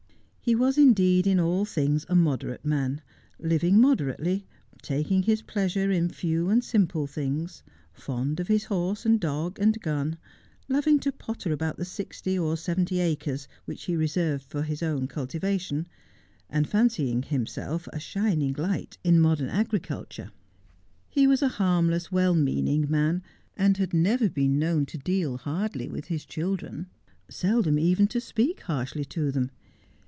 He was indeed in all things a moderate man, living moderately, taking his pleasure in few and simple things, fond of his horse and dog and gun, loving to potter about the sixty or seventy acres which he reserved for his own cultivation, and fancying himself a shining light in modern agriculture. He was a harmless, well meaning man, and had never been known to deal hardly with his children, seldom even to speak harshly to them.